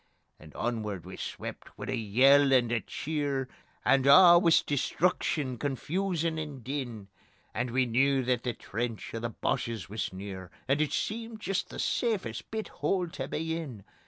And onward we swept wi' a yell and a cheer, And a' wis destruction, confusion and din, And we knew that the trench o' the Boches wis near, And it seemed jist the safest bit hole tae be in.